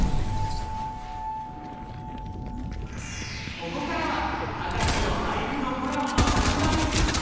ここからは科学と俳句のコラボの始まり。